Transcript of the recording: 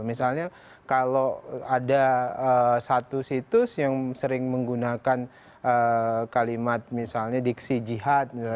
misalnya kalau ada satu situs yang sering menggunakan kalimat misalnya diksi jihad